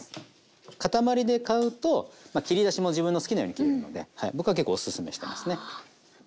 塊で買うと切り出しも自分の好きなように切れるので僕は結構おすすめしてますね。